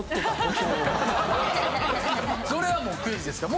それはもうクイズですから。